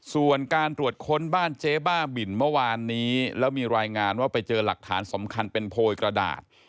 ส่วนการตรวจค้นบ้านเจ๊บ้าบินเมื่อวานนี้แล้วมีรายงานว่าไปเจอหลักฐานสำคัญเป็นโพยกระดาษ